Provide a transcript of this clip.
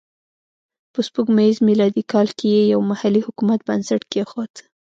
په سپوږمیز میلادي کال کې یې یو محلي حکومت بنسټ کېښود.